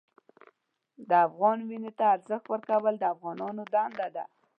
د افغان وینې ته ارزښت ورکول د افغانانو دنده ده.